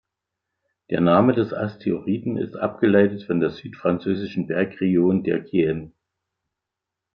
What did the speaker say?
Der Name des Asteroiden ist abgeleitet von der südfranzösischen Bergregion der Cevennen.